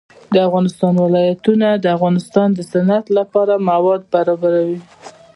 د افغانستان ولايتونه د افغانستان د صنعت لپاره مواد برابروي.